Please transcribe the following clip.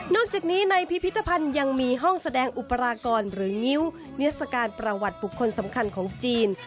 จากนี้ในพิพิธภัณฑ์ยังมีห้องแสดงอุปรากรหรืองิ้วนิทรศการประวัติบุคคลสำคัญของจีน